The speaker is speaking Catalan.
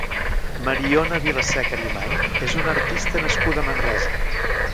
Mariona Vilaseca Arimany és una artista nascuda a Manresa.